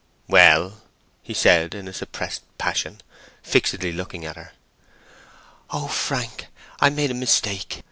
"Well?" he said, in a suppressed passion, fixedly looking at her. "Oh, Frank—I made a mistake!